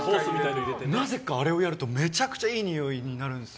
なぜか、あれをやるとめちゃくちゃいいにおいになるんです。